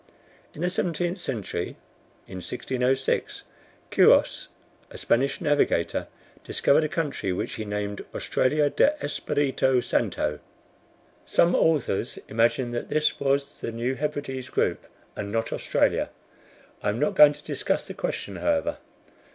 In the seventeenth century, in 1606, Quiros, a Spanish navigator, discovered a country which he named Australia de Espiritu Santo. Some authors imagine that this was the New Hebrides group, and not Australia. I am not going to discuss the question, however.